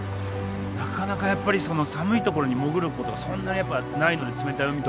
なかなかやっぱり寒いところに潜ることがそんなやっぱないので冷たい海とかに。